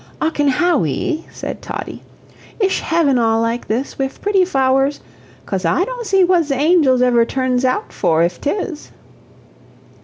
"Ocken Hawwy," said Toddie, "ish heaven all like this, wif pretty f'owers? Cos I don't see what ze angels ever turns out for if 'tis."